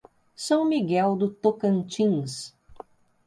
São Miguel do Tocantins